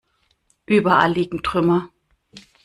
Überall liegen Trümmer.